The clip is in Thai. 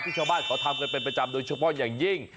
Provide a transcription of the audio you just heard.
ชาวบ้านเขาทำกันเป็นประจำโดยเฉพาะอย่างยิ่ง